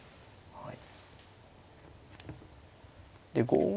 はい。